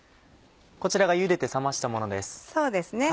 こちらがゆでて冷ましたものです。